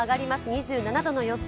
２７度の予想。